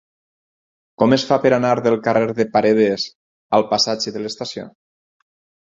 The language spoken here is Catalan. Com es fa per anar del carrer de Paredes al passatge de l'Estació?